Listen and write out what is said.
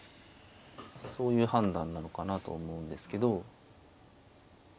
そういう判断なのかなと思うんですけど。